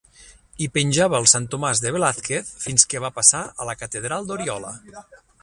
Hi penjava el Sant Tomàs de Velázquez fins que va passar a la catedral d'Oriola.